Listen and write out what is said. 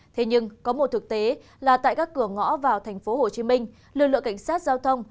thế nhưng có một thực tế là tại các cửa ngõ vào thành phố hồ chí minh lực lượng cảnh sát giao thông